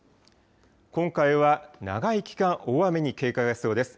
今回は長い期間、大雨に警戒が必要です。